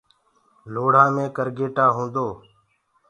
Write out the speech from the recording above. لوڙهآ مي ڪرگيٽآ هوندو هي۔